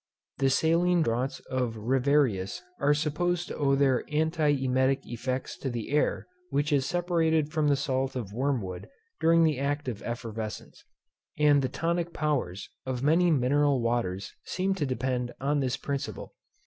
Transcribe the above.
The saline draughts of Riverius are supposed to owe their antiemetic effects to the air, which is separated from the salt of wormwood during the act of effervescence. And the tonic powers of many mineral waters seem to depend on this principle.